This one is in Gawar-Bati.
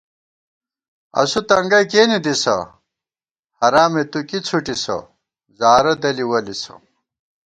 اسُو تنگَئ کېنےدِسہ، حرامےتُوکی څھُٹِسہ، زارہ دَلی ولِسہ